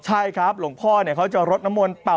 ใช่ครับหลวงพ่อเขาจะรดน้ำมนต์เป่า